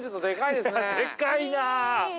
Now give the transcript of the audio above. ◆でかいなあ。